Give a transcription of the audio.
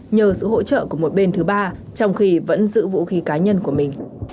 nhờ sự hỗ trợ của một bên thứ ba trong khi vẫn giữ vũ khí cá nhân của mình